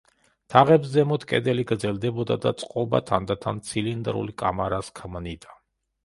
თაღებს ზემოთ კედელი გრძელდებოდა და წყობა თანდათან ცილინდრულ კამარას ქმნიდა.